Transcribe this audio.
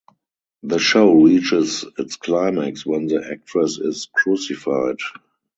The show reaches its climax when the actress is "crucified".